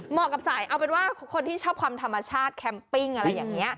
กับสายเอาเป็นว่าคนที่ชอบความธรรมชาติแคมปิ้งอะไรอย่างนี้